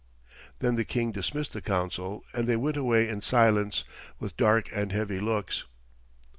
Then the King dismissed the Council, and they went away in silence, with dark and heavy looks.